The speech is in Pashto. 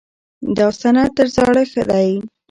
دا سند تر زاړه ښه دی.